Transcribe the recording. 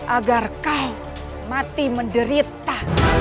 agar kau mati menderita